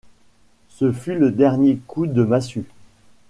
Ce fut le dernier coup de massue.